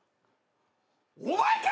お前か！